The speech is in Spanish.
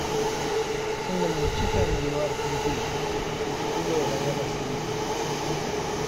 Siendo muy chica emigró a Argentina huyendo de la Guerra Civil.